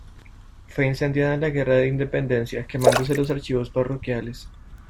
Fue incendiada en la guerra de Independencia, quemándose los archivos parroquiales.